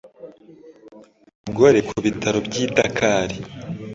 Umugore ku bitaro by'i Dakar